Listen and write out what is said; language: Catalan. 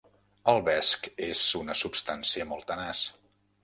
El vesc és una substància molt tenaç.